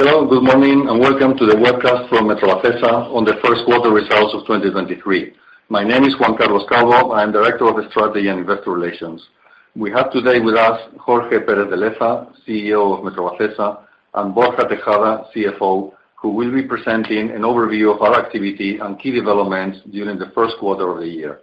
Hello, good morning, and welcome to the webcast from Metrovacesa on the first quarter results of 2023. My name is Juan Carlos Calvo. I am Director of Strategy and Investor Relations. We have today with us Jorge Pérez de Leza, CEO of Metrovacesa, and Borja Tejada, CFO, who will be presenting an overview of our activity and key developments during the first quarter of the year.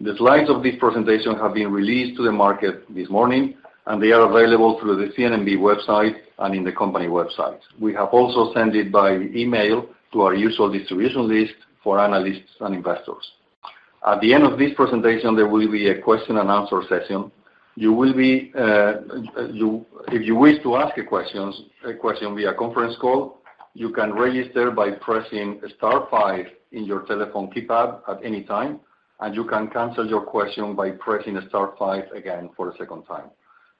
The slides of this presentation have been released to the market this morning, and they are available through the CNMV website and in the company website. We have also sent it by email to our usual distribution list for analysts and investors. At the end of this presentation, there will be a question and answer session. You will be, If you wish to ask a question via conference call, you can register by pressing star five in your telephone keypad at any time, and you can cancel your question by pressing star five again for a second time.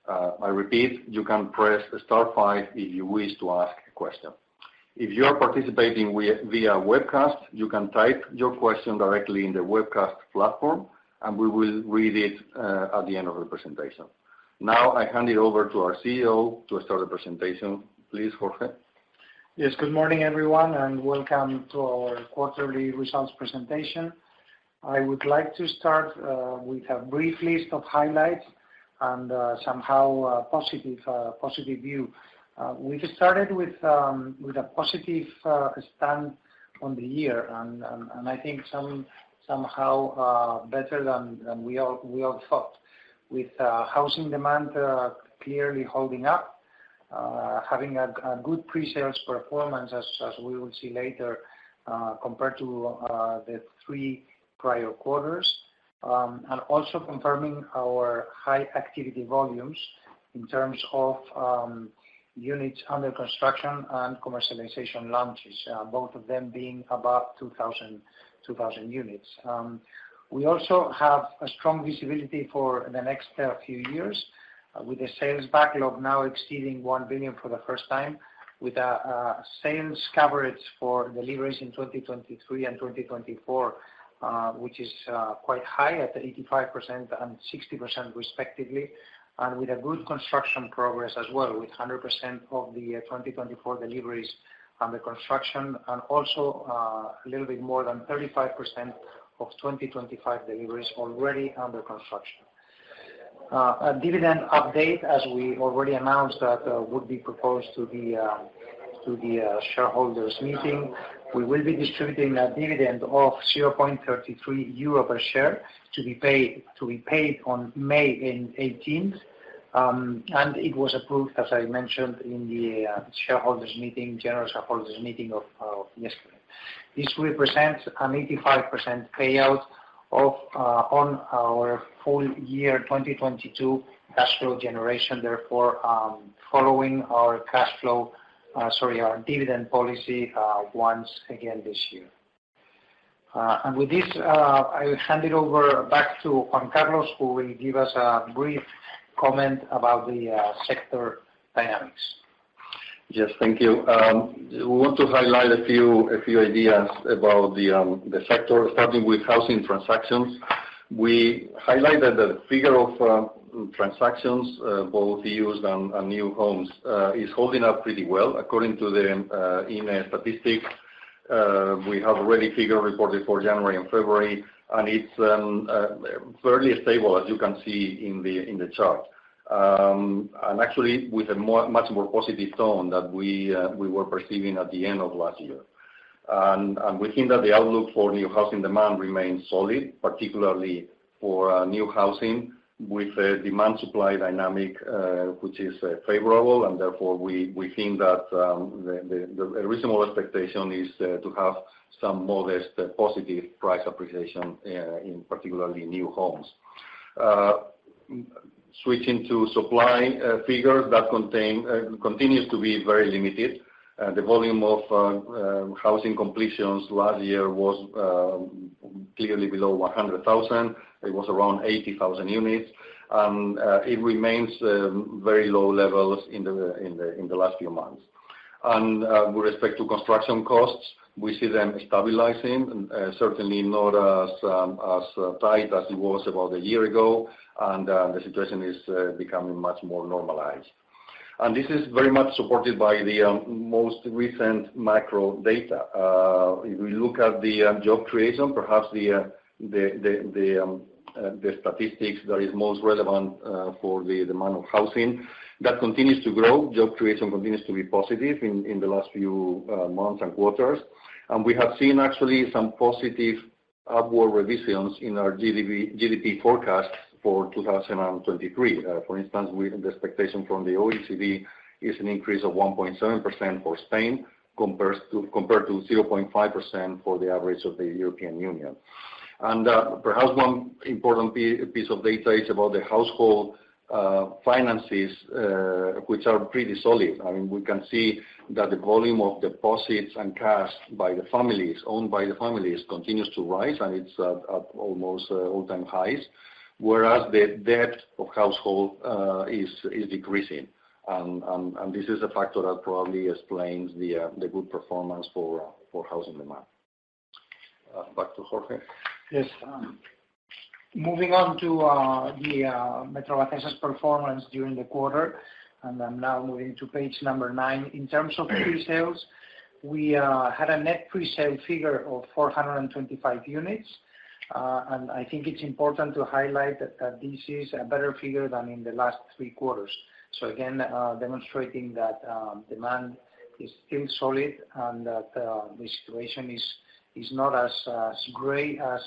I repeat, you can press star five if you wish to ask a question. If you are participating via webcast, you can type your question directly in the webcast platform, and we will read it at the end of the presentation. Now, I hand it over to our CEO to start the presentation. Please, Jorge. Yes. Good morning, everyone, and welcome to our quarterly results presentation. I would like to start with a brief list of highlights and somehow a positive view. We just started with a positive stand on the year and I think somehow better than we all thought. With housing demand clearly holding up, having a good pre-sales performance as we will see later, compared to the three prior quarters. Also confirming our high activity volumes in terms of units under construction and commercialization launches, both of them being above 2,000 units. We also have a strong visibility for the next few years with the sales backlog now exceeding 1 billion for the first time, with a sales coverage for deliveries in 2023 and 2024, which is quite high at 85% and 60% respectively, and with a good construction progress as well, with 100% of the 2024 deliveries under construction and also a little bit more than 35% of 2025 deliveries already under construction. A dividend update, as we already announced that would be proposed to the shareholders meeting. We will be distributing a dividend of 0.33 euro per share to be paid on May 18th. It was approved, as I mentioned, in the shareholders' meeting, general shareholders meeting of yesterday. This represents an 85% payout of on our full year 2022 cash flow generation. Following our cash flow, sorry, our dividend policy, once again this year. With this, I will hand it over back to Juan Carlos, who will give us a brief comment about the sector dynamics. Yes. Thank you. We want to highlight a few ideas about the sector, starting with housing transactions. We highlighted the figure of transactions, both used and new homes, is holding up pretty well according to the INE statistic. We have already figure reported for January and February, and it's fairly stable as you can see in the chart. Actually, with a more, much more positive tone than we were perceiving at the end of last year. We think that the outlook for new housing demand remains solid, particularly for new housing with a demand supply dynamic, which is favorable. Therefore, we think that the reasonable expectation is to have some modest positive price appreciation, in particularly new homes. Switching to supply, continues to be very limited. The volume of housing completions last year was clearly below 100,000. It was around 80,000 units. It remains very low levels in the last few months. With respect to construction costs, we see them stabilizing, certainly not as tight as it was about a year ago. The situation is becoming much more normalized. This is very much supported by the most recent microdata. If we look at the job creation, perhaps the statistics that is most relevant for the demand of housing, that continues to grow. Job creation continues to be positive in the last few months and quarters. We have seen actually some positive upward revisions in our GDP forecast for 2023. For instance, the expectation from the OECD is an increase of 1.7% for Spain compared to 0.5% for the average of the European Union. Perhaps one important piece of data is about the household finances, which are pretty solid. I mean, we can see that the volume of deposits and cash by the families, owned by the families continues to rise, and it's at almost all-time highs, whereas the debt of household is decreasing. This is a factor that probably explains the good performance for housing demand. Back to Jorge. Yes. Moving on to the Metrovacesa performance during the quarter, I'm now moving to page number nine. In terms of pre-sales, we had a net pre-sale figure of 425 units. I think it's important to highlight that this is a better figure than in the last three quarters. Again, demonstrating that demand is still solid and that the situation is not as great as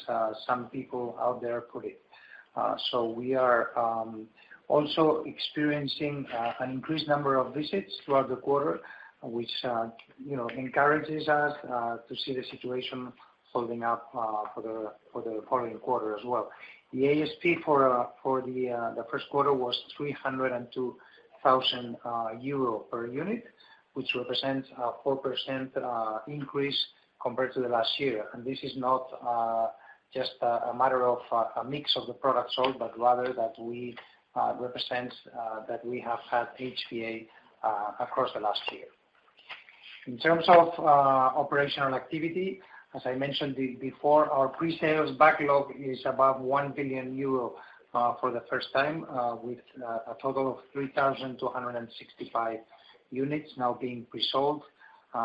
some people out there put it. We are also experiencing an increased number of visits throughout the quarter, which, you know, encourages us to see the situation holding up for the following quarter as well. The ASP for the first quarter was 302,000 euro per unit, which represents a 4% increase compared to the last year. This is not just a matter of a mix of the products sold, but rather that we represent that we have had HVA across the last year. In terms of operational activity, as I mentioned before, our pre-sales backlog is above 1 billion euro for the first time, with a total of 3,265 units now being pre-sold,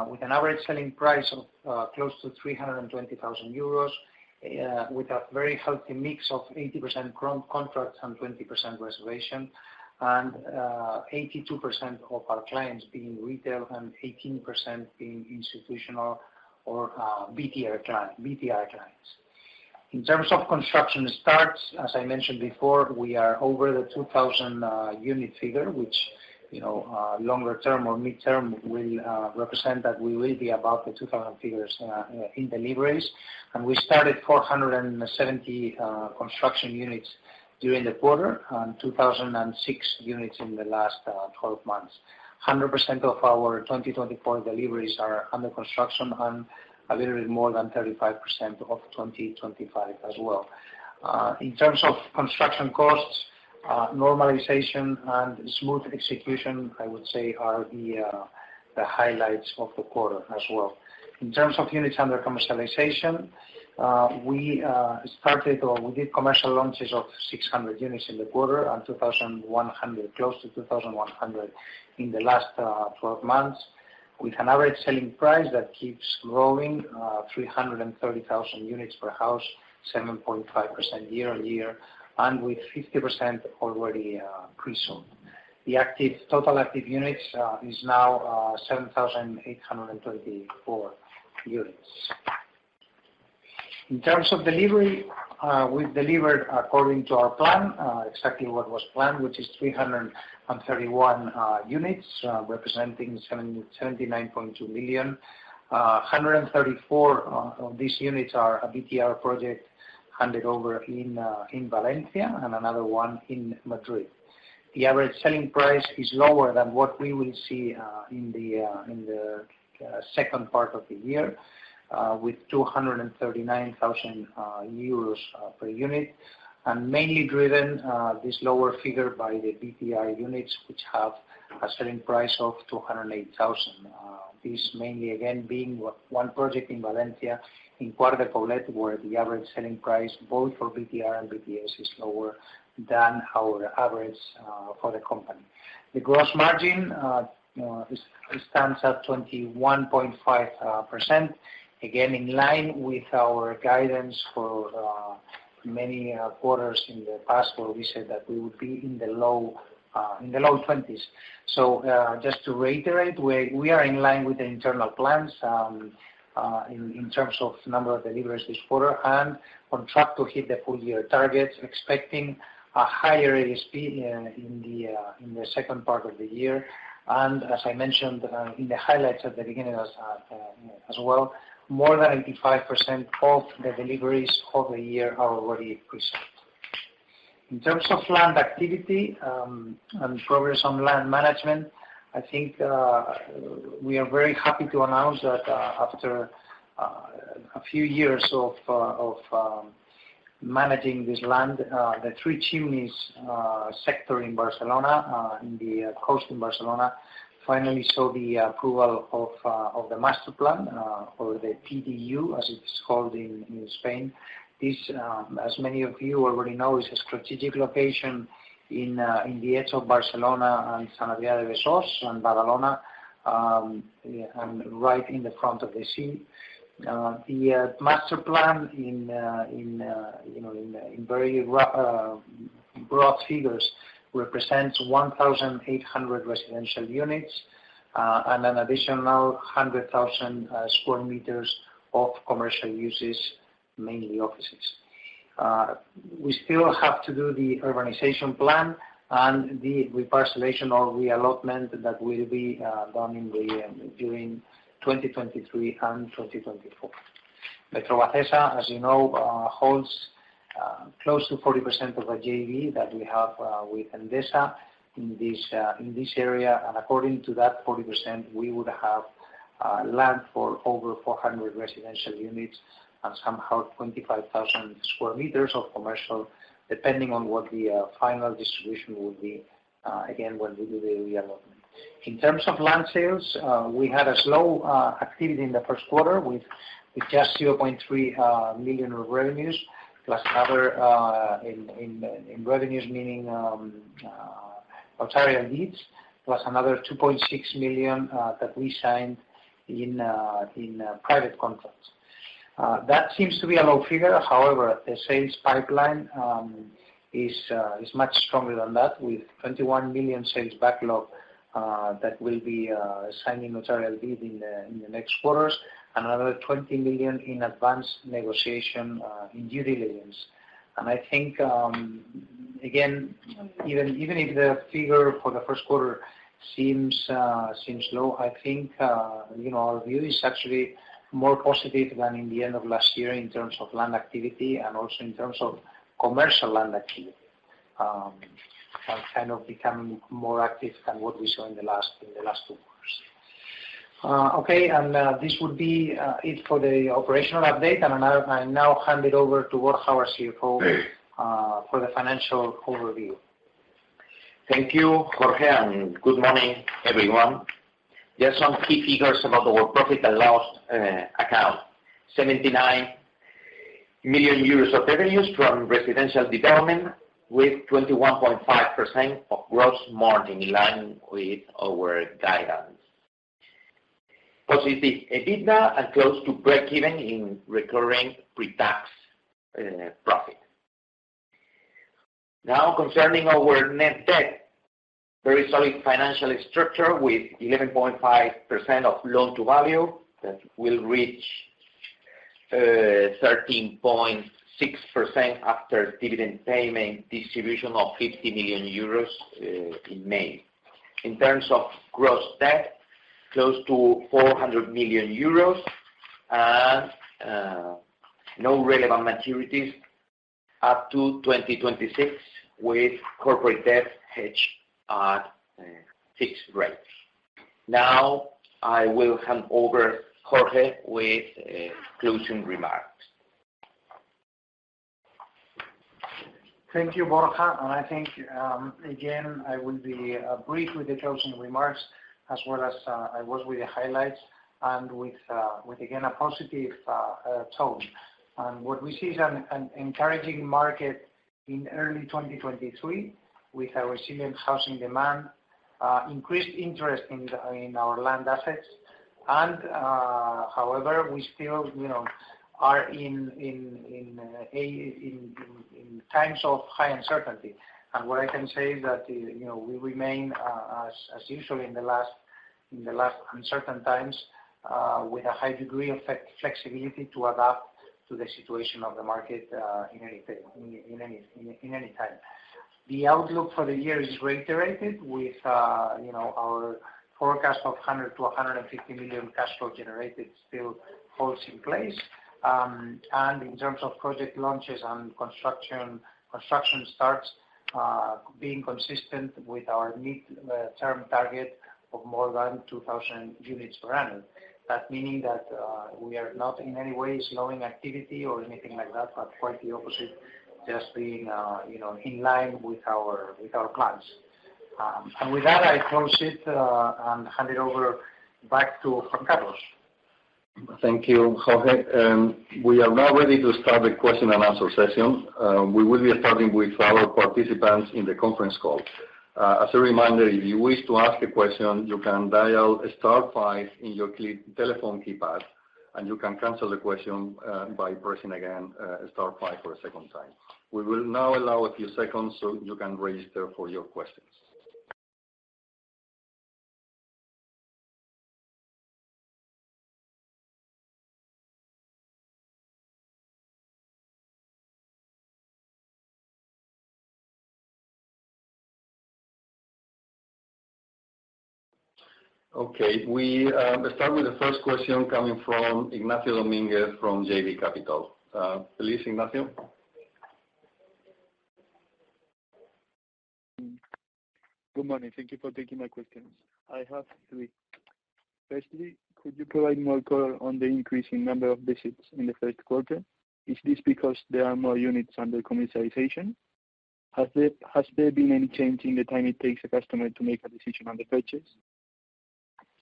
with an average selling price of close to 320,000 euros, with a very healthy mix of 80% grown contracts and 20% reservation, and 82% of our clients being retail and 18% being institutional or BTR clients. In terms of construction starts, as I mentioned before, we are over the 2,000 unit figure, which, you know, longer term or midterm will represent that we will be above the 2,000 figures in deliveries. We started 470 construction units during the quarter and 2,006 units in the last 12 months. 100% of our 2024 deliveries are under construction and a little bit more than 35% of 2025 as well. In terms of construction costs, normalization and smooth execution, I would say are the highlights of the quarter as well. In terms of units under commercialization, we started or we did commercial launches of 600 units in the quarter and 2,100, close to 2,100 in the last 12 months, with an average selling price that keeps growing, 330,000 units per house, 7.5% year-on-year and with 50% already pre-sold. The active, total active units, is now 7,824 units. In terms of delivery, we delivered according to our plan, exactly what was planned, which is 331 units, representing 779.2 million. 134 of these units are a BTR project handed over in Valencia and another one in Madrid. The average selling price is lower than what we will see in the in the second part of the year, with 239,000 euros per unit. Mainly driven, this lower figure by the BTR units, which have a selling price of 208,000. This mainly again, being one project in Valencia in Port de Pollença where the average selling price, both for BTR and BTS is lower than our average for the company. The gross margin stands at 21.5%. Again, in line with our guidance for many quarters in the past where we said that we would be in the low 20s. Just to reiterate, we are in line with the internal plans in terms of number of deliveries this quarter and on track to hit the full-year targets, expecting a higher ASP in the second part of the year. As I mentioned, in the highlights at the beginning as well, more than 85% of the deliveries of the year are already pre-sold. In terms of land activity, and progress on land management, I think, we are very happy to announce that, after a few years of managing this land, the Tres Chimeneas sector in Barcelona, in the coast in Barcelona finally saw the approval of the master plan, or the PDU as it is called in Spain. This, as many of you already know, is a strategic location in the edge of Barcelona and Sant Adrià de Besòs and Badalona, and right in the front of the sea. The master plan in, you know, in broad figures represents 1,800 residential units, and an additional 100,000 sq m of commercial uses, mainly offices. We still have to do the urbanization plan and the reparcellation or reallotment that will be done in the during 2023 and 2024. Metrovacesa, as you know, holds close to 40% of a JV that we have with Endesa in this in this area. According to that 40%, we would have land for over 400 residential units and somehow 25,000 sq m of commercial, depending on what the final distribution will be again, when we do the reallotment. In terms of land sales, we had a slow activity in the first quarter with just 0.3 million of revenues, plus another in revenues, meaning notarial deeds, plus another 2.6 million that we signed in private contracts. That seems to be a low figure. However, the sales pipeline is much stronger than that, with 21 million sales backlog that will be signing notarial deed in the next quarters. Another 20 million in advanced negotiation in due diligence. I think, again, even if the figure for the first quarter seems low, I think, you know, our view is actually more positive than in the end of last year in terms of land activity and also in terms of commercial land activity. Kind of becoming more active than what we saw in the last two quarters. Okay. This would be it for the operational update. I now hand it over to Borja, our CFO, for the financial overview. Thank you, Jorge, and good morning, everyone. There are some key figures about our profit and loss account. 79 million euros of revenues from residential development with 21.5% of gross margin in line with our guidance. Positive EBITDA and close to breakeven in recurring pre-tax profit. Concerning our net debt. Very solid financial structure with 11.5% of loan-to-value that will reach 13.6% after dividend payment distribution of 50 million euros in May. In terms of gross debt, close to 400 million euros and no relevant maturities up to 2026, with corporate debt hedged at fixed rates. I will hand over Jorge with closing remarks. Thank you, Borja. I think, again, I will be brief with the closing remarks as well as I was with the highlights and with, again, a positive tone. What we see is an encouraging market in early 2023, with a resilient housing demand, increased interest in our land assets and, however, we still, you know, are in times of high uncertainty. What I can say is that, you know, we remain as usual in the last uncertain times, with a high degree of flexibility to adapt to the situation of the market in any time. The outlook for the year is reiterated with, you know, our forecast of 100 million-150 million cash flow generated still holds in place. In terms of project launches and construction starts, being consistent with our mid, term target of more than 2,000 units per annum. That meaning that, we are not in any way slowing activity or anything like that, but quite the opposite, just being, you know, in line with our, with our plans. With that, I close it, and hand it over back to Juan Carlos. Thank you, Jorge. We are now ready to start the question and answer session. We will be starting with our participants in the conference call. As a reminder, if you wish to ask a question, you can dial star five in your key, telephone keypad, and you can cancel the question by pressing again star five for a second time. We will now allow a few seconds so you can register for your questions. Okay, we start with the first question coming from Ignacio Domínguez from JB Capital. Please, Ignacio. Good morning. Thank you for taking my questions. I have three. Firstly, could you provide more color on the increase in number of visits in the first quarter? Is this because there are more units under commercialization? Has there been any change in the time it takes a customer to make a decision on the purchase?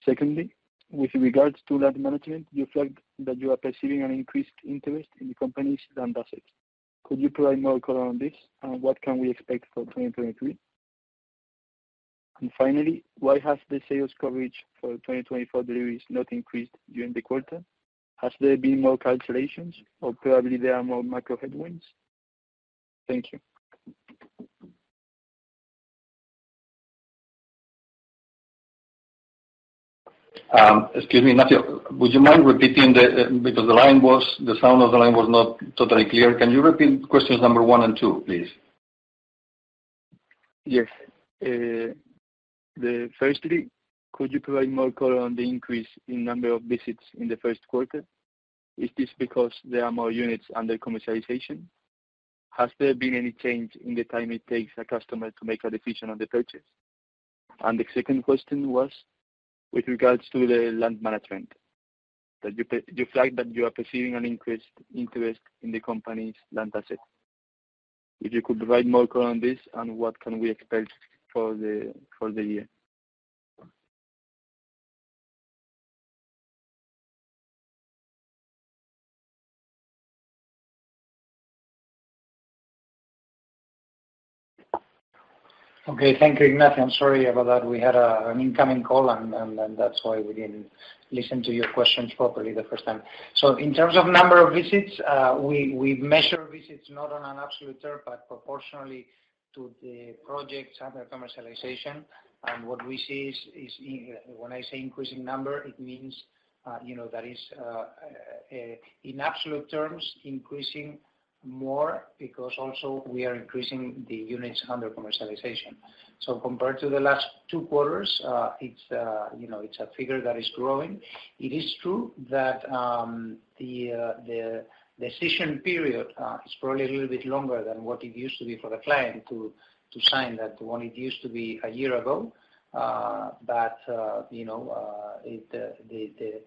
Secondly, with regards to land management, you flagged that you are perceiving an increased interest in the company's land assets. Could you provide more color on this? What can we expect for 2023? Finally, why has the sales coverage for 2024 deliveries not increased during the quarter? Has there been more cancellations or probably there are more macro headwinds? Thank you. Excuse me, Ignacio, would you mind repeating the, because the sound of the line was not totally clear. Can you repeat questions number one and two, please? Yes. the firstly, could you provide more color on the increase in number of visits in the first quarter? Is this because there are more units under commercialization? Has there been any change in the time it takes a customer to make a decision on the purchase? The second question was, with regards to the land management, that you flagged that you are perceiving an increased interest in the company's land assets. If you could provide more color on this and what can we expect for the year? Thank you, Ignacio. I'm sorry about that. We had an incoming call and that's why we didn't listen to your questions properly the first time. In terms of number of visits, we measure visits not on an absolute term, but proportionally to the projects under commercialization. What we see is when I say increasing number, it means, you know, that is in absolute terms, increasing more because also we are increasing the units under commercialization. Compared to the last two quarters, it's, you know, it's a figure that is growing. It is true that the decision period is probably a little bit longer than what it used to be for the client to sign that one it used to be a year ago. You know, it,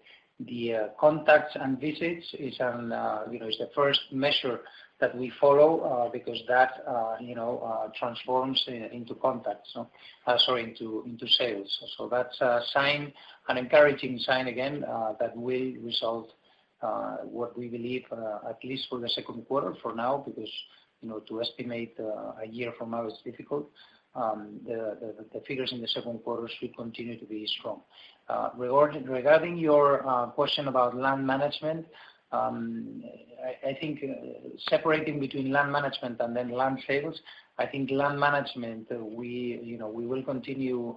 the contacts and visits is, you know, is the first measure that we follow, because that, you know, transforms into contacts. Sorry, into sales. That's a sign, an encouraging sign again, that will result, what we believe, at least for the second quarter for now, because, you know, to estimate, a year from now is difficult. The figures in the second quarter should continue to be strong. Regarding your question about land management, I think separating between land management and then land sales, I think land management, we, you know, we will continue,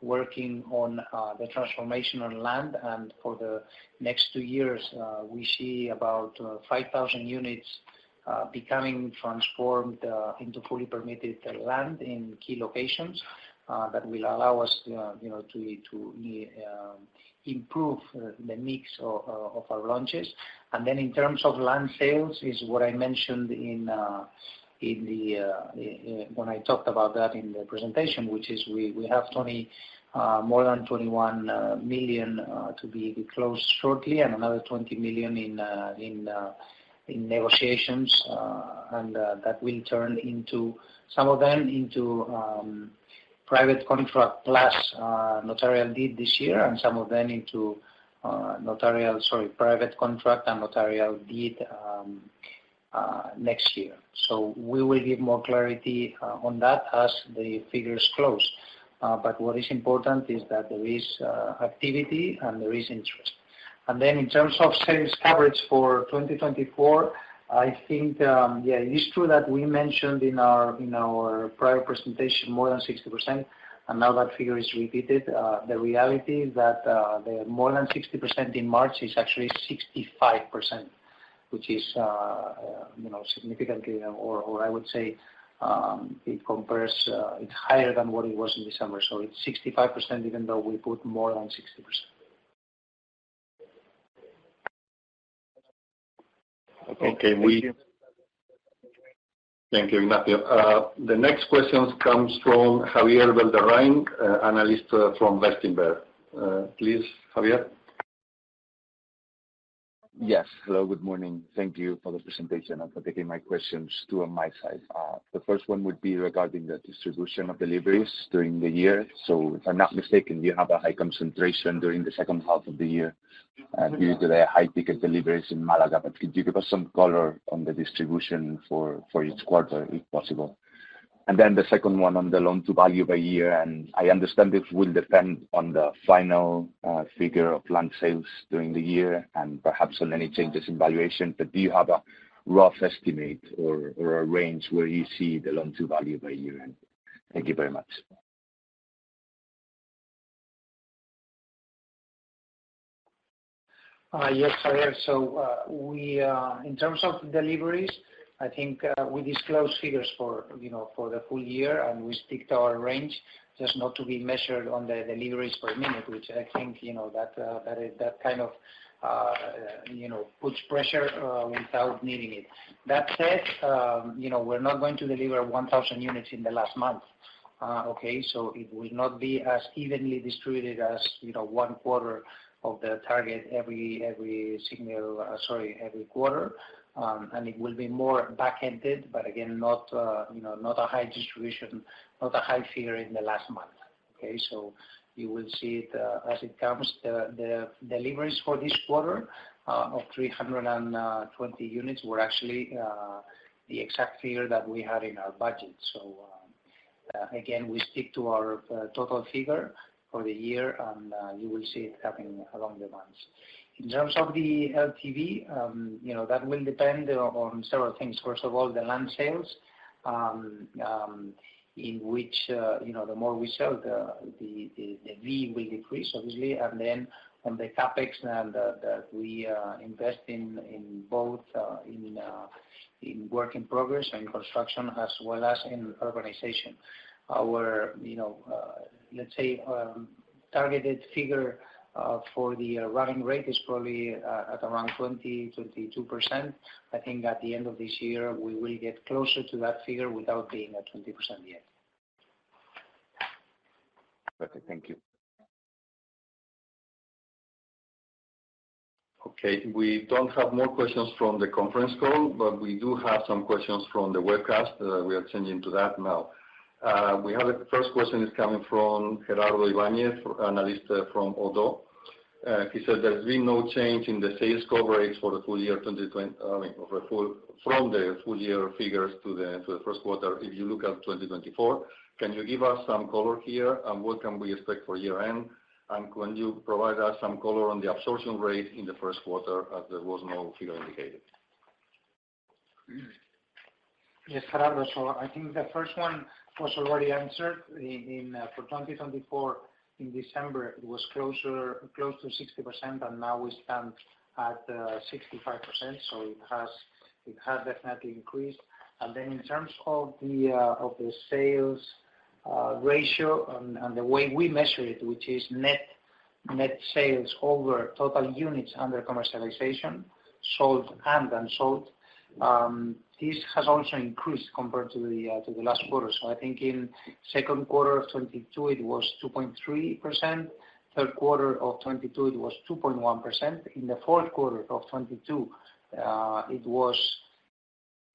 working on, the transformation on land. For the next two years, we see about 5,000 units becoming transformed into fully permitted land in key locations that will allow us, you know, to improve the mix of our launches. In terms of land sales is what I mentioned in the presentation, which is we have more than 21 million to be closed shortly and another 20 million in negotiations. That will turn into some of them into private contract plus notarial deed this year and some of them into private contract and notarial deed next year. We will give more clarity on that as the figures close. What is important is that there is activity and there is interest. In terms of sales coverage for 2024, I think, yeah, it is true that we mentioned in our prior presentation more than 60%, and now that figure is repeated. The reality is that the more than 60% in March is actually 65%, which is, you know, significantly or I would say, it compares, it's higher than what it was in December. It's 65%, even though we put more than 60%. Okay. Thank you. Okay. Thank you. Thank you, Ignacio. The next questions comes from Javier Velderrain, Analyst, from Berenberg. Please, Javier. Yes. Hello, good morning. Thank you for the presentation and for taking my questions, two on my side. The first one would be regarding the distribution of deliveries during the year. If I'm not mistaken, you have a high concentration during the second half of the year, due to the high ticket deliveries in Málaga. Could you give us some color on the distribution for each quarter, if possible? The second one on the loan-to-value by year, and I understand this will depend on the final figure of land sales during the year and perhaps on any changes in valuation. Do you have a rough estimate or a range where you see the loan-to-value by year-end? Thank you very much. Yes, Javier. We, in terms of deliveries, I think, we disclose figures for, you know, for the full year and we stick to our range, just not to be measured on the deliveries per minute, which I think, you know, that kind of, you know, puts pressure, without needing it. That said, you know, we're not going to deliver 1,000 units in the last month. Okay? It will not be as evenly distributed as, you know, one quarter of the target every signal, sorry, every quarter. It will be more back-ended, but again, not, you know, not a high distribution, not a high figure in the last month. Okay? You will see it, as it comes. The deliveries for this quarter of 320 units were actually the exact figure that we had in our budget. Again, we stick to our total figure for the year, and you will see it happening along the months. In terms of the LTV, you know, that will depend on several things. First of all, the land sales, in which, you know, the more we sell the V will decrease obviously. On the CapEx that we invest in both, in work in progress and construction as well as in urbanization. Our, you know, let's say, targeted figure for the running rate is probably at around 20%-22%. I think at the end of this year, we will get closer to that figure without being at 20% yet. Perfect. Thank you. Okay. We don't have more questions from the conference call, but we do have some questions from the webcast. We are changing to that now. We have the first question is coming from Gerardo Ibáñez, Analyst from Oddo BHF. He said there's been no change in the sales coverage for the full year 2020... I mean, from the full year figures to the, to the first quarter if you look at 2024. Can you give us some color here, and what can we expect for year-end? Can you provide us some color on the absorption rate in the first quarter, as there was no figure indicated? Yes, Gerardo. I think the first one was already answered in for 2024. In December, it was closer, close to 60%, and now we stand at 65%, so it has definitely increased. Then in terms of the sales ratio and the way we measure it, which is net sales over total units under commercialization, sold and unsold, this has also increased compared to the last quarter. I think in second quarter of 2022, it was 2.3%. Third quarter of 2022, it was 2.1%. In the fourth quarter of 2022, it was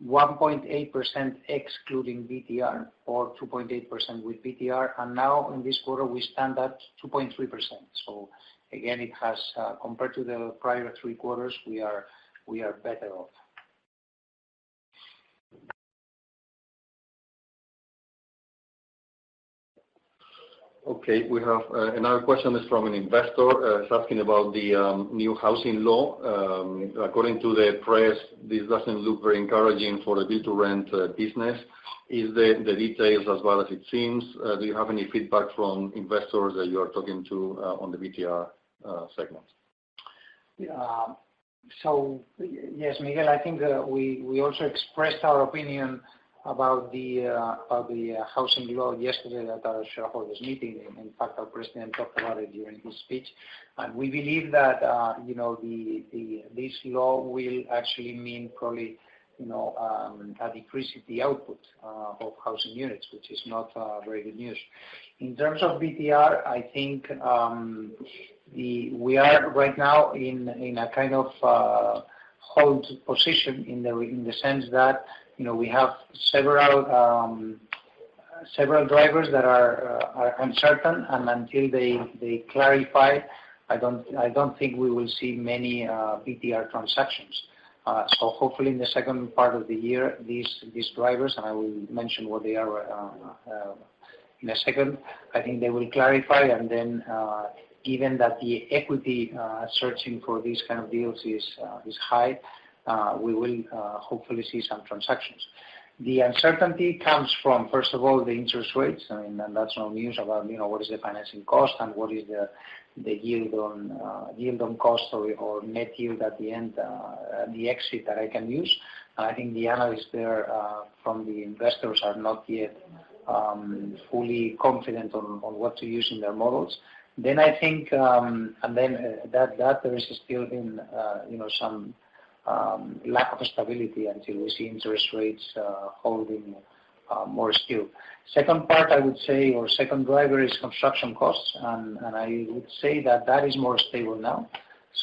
1.8% excluding BTR or 2.8% with BTR. Now in this quarter, we stand at 2.3%. It has, compared to the prior three quarters, we are better off. We have another question is from an investor, is asking about the new Housing Law. According to the press, this doesn't look very encouraging for the BTR business. Is the details as bad as it seems? Do you have any feedback from investors that you are talking to, on the BTR segment? Yeah. Yes, Miguel, I think, we also expressed our opinion about the, about the Housing Law yesterday at our shareholders meeting. In fact, our president talked about it during his speech. We believe that, you know, the, this law will actually mean probably, you know, a decrease in the output of housing units, which is not very good news. In terms of BTR, I think, we are right now in a kind of, hold position in the sense that, you know, we have several drivers that are uncertain, and until they clarify, I don't think we will see many BTR transactions. Hopefully in the second part of the year, these drivers, and I will mention what they are in a second. I think they will clarify. Given that the equity searching for these kind of deals is high, we will hopefully see some transactions. The uncertainty comes from, first of all, the interest rates. I mean, that's no news about, you know, what is the financing cost and what is the yield on yield on cost or net yield at the end, the exit that I can use. I think the analysts there from the investors are not yet fully confident on what to use in their models. I think there is still been, you know, some lack of stability until we see interest rates holding more still. Second part I would say, or second driver is construction costs, and I would say that is more stable now.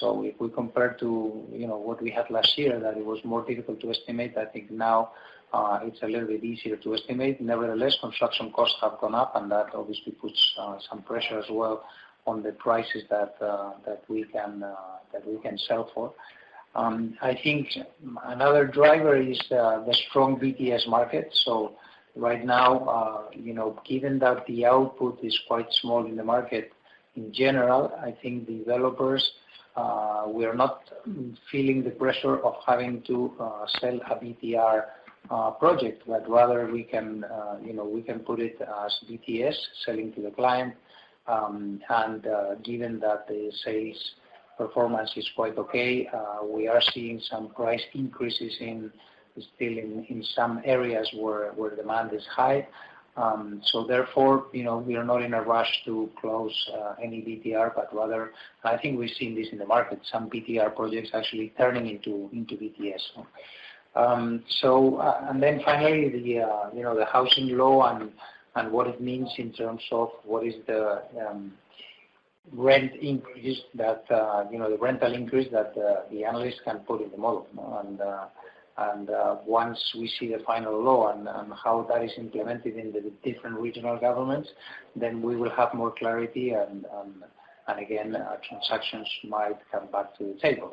If we compare to, you know, what we had last year, that it was more difficult to estimate. I think now, it's a little bit easier to estimate. Nevertheless, construction costs have gone up, and that obviously puts some pressure as well on the prices that we can sell for. I think another driver is the strong BTS market. Right now, you know, given that the output is quite small in the market in general, I think developers, we are not feeling the pressure of having to sell a BTR project. Rather we can, you know, we can put it as BTS selling to the client. Given that the sales performance is quite okay, we are seeing some price increases in some areas where demand is high. You know, we are not in a rush to close any BTR, but rather, I think we've seen this in the market, some BTR projects actually turning into BTS. Finally, you know, the Housing Law and what it means in terms of what is the rent increase that the analysts can put in the model. Once we see the final law and how that is implemented in the different regional governments, then we will have more clarity. Transactions might come back to the table.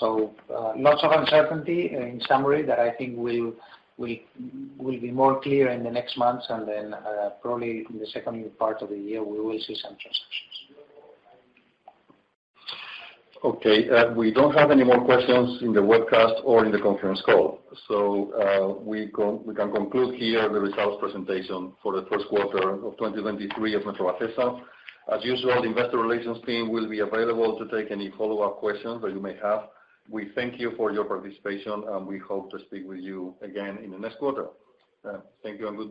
Lots of uncertainty in summary that I think will be more clear in the next months. Probably in the second part of the year, we will see some transactions. Okay. We don't have any more questions in the webcast or in the conference call. We can conclude here the results presentation for the first quarter of 2023 at Metrovacesa. As usual, the investor relations team will be available to take any follow-up questions that you may have. We thank you for your participation, and we hope to speak with you again in the next quarter. Thank you and good day.